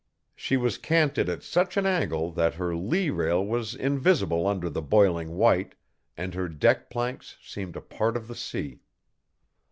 She was canted at such an angle that her lee rail was invisible under the boiling white, and her deck planks seemed a part of the sea.